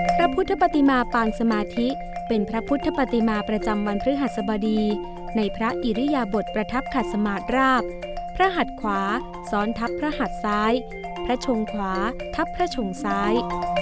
พระพุทธปฏิมาปางสมาธิเป็นพระพุทธปฏิมาประจำวันพฤหัสบดีในพระอิริยบทประทับขัดสมาธิราบพระหัดขวาซ้อนทับพระหัดซ้ายพระชงขวาทับพระชงซ้าย